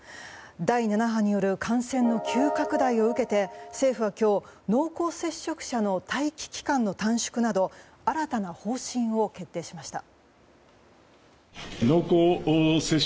第７波による感染の急拡大を受け政府は今日濃厚接触者の待機期間の短縮など新たな方針を決定しました。